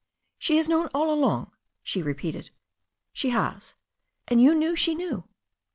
"She has known all along!" she repeated. "She has." *And you knew she knew